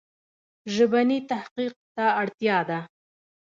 ژبني تحقیق ته اړتیا ده.